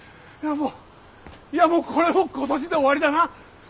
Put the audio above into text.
もうこれも今年で終わりだな。